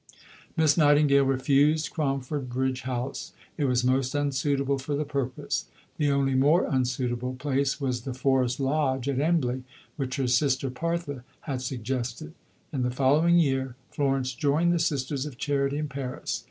Miss Nightingale refused Cromford Bridge House: it was most unsuitable for the purpose; the only more unsuitable place was the "Forest Lodge" at Embley, which her sister Parthe had suggested. In the following year, Florence joined the Sisters of Charity in Paris.